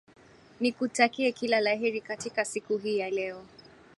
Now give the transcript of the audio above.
nikutakie kila la heri katika siku hii ya leo